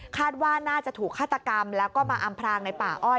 ว่าน่าจะถูกฆาตกรรมแล้วก็มาอำพรางในป่าอ้อย